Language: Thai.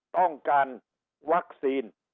ต้องการวัคซีน